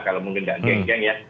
kalau mungkin tidak geng geng ya